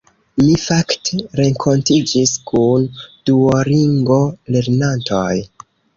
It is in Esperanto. Mi fakte renkontiĝis kun Duolingo-lernantoj